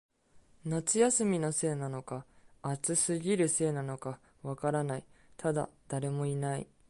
夏休みのせいなのか、暑すぎるせいなのか、わからない、ただ、誰もいない